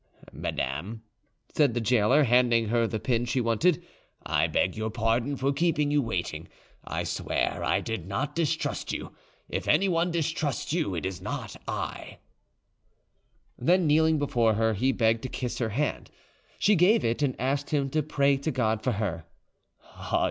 "Madame," said the gaoler, handing her the pin she wanted, "I beg your pardon for keeping you waiting. I swear I did not distrust you; if anyone distrusts you, it is not I." Then kneeling before her, he begged to kiss her hand. She gave it, and asked him to pray to God for her.